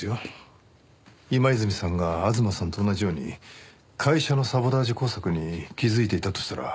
今泉さんが吾妻さんと同じように会社のサボタージュ工作に気づいていたとしたら。